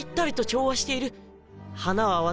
花は私。